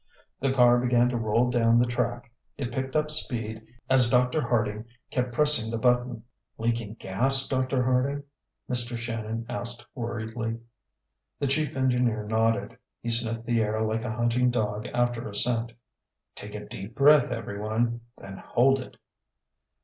The car began to roll down the track. It picked up speed as Dr. Harding kept pressing the button. "Leaking gas, Dr. Harding?" Mr. Shannon asked worriedly. The chief engineer nodded. He sniffed the air like a hunting dog after a scent. "Take a deep breath, everyone, then hold it!"